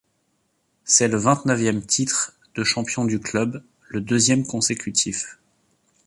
C’est le vingt-neuvième titre de champion du club, le deuxième consécutif.